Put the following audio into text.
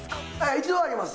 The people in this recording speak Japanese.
１度あります。